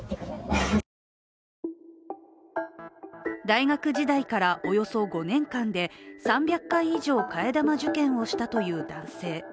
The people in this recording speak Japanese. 大学時代からおよそ５年間で３００回以上、替え玉受検をしたという男性。